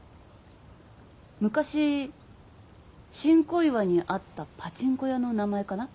昔新小岩にあったパチンコ屋の名前かな。